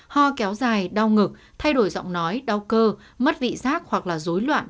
ho kéo dài đau ngực thay đổi giọng nói đau cơ mất vị giác hoặc là dối loạn